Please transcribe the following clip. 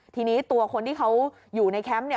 ทีนี้ตัวคนที่เขาอยู่ในแคมป์เนี่ย